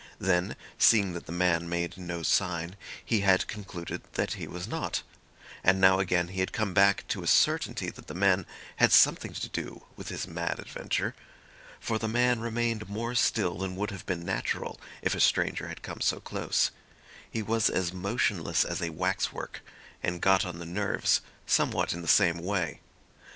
Then, seeing that the man made no sign, he had concluded that he was not. And now again he had come back to a certainty that the man had something to do with his mad adventure. For the man remained more still than would have been natural if a stranger had come so close. He was as motionless as a wax work, and got on the nerves somewhat in the same way.